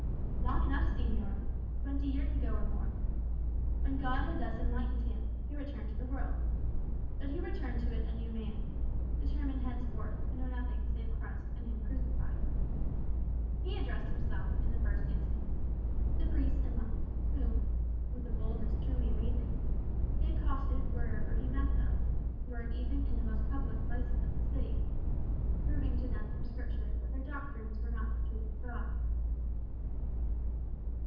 "Long enough, señor. Twenty years ago or more. When God had thus enlightened him, he returned to the world. But he returned to it a new man, determined henceforth to know nothing save Christ and him crucified. He addressed himself in the first instance to the priests and monks, whom, with a boldness truly amazing, he accosted wherever he met them, were it even in the most public places of the city, proving to them from Scripture that their doctrines were not the truth of God."